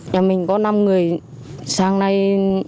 nhà mình có năm người sáng nay